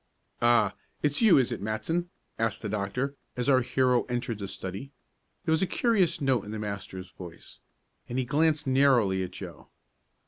"Ah, it's you is it, Matson?" asked the doctor, as our hero entered the study. There was a curious note in the master's voice, and he glanced narrowly at Joe.